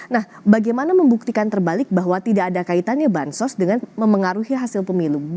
nah bagaimana membuktikan terbalik bahwa tidak ada kaitannya bansos dengan memengaruhi hasil pemilu